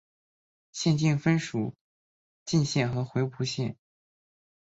县境分属鄞县和回浦县。